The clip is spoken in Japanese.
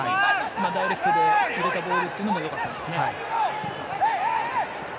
ダイレクトで入れたボールは良かったですね。